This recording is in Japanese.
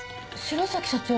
白崎社長